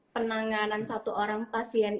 penanganan satu orang pasien